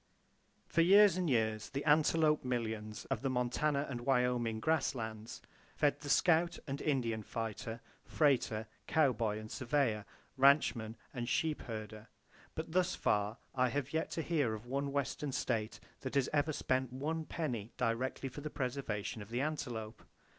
For years and years, the antelope millions of the Montana and Wyoming grass lands fed the scout and Indian fighter, freighter, cowboy and surveyor, ranchman and sheep herder; but thus far I have yet to hear of one Western state that has ever spent one penny directly for the preservation of the antelope!